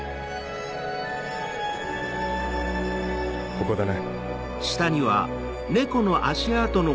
ここだな。